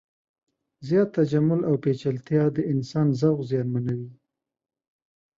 زیات تجمل او پیچلتیا د انسان ذوق زیانمنوي.